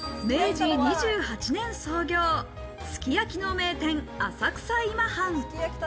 明治２８年創業、すき焼きの名店・浅草今半。